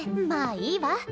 まあいいわ。